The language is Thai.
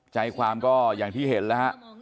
ใจความก็อย่างที่เห็นแล้วฮะ